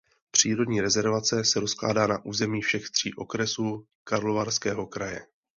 Přírodní rezervace se rozkládá na území všech tří okresů Karlovarského kraje.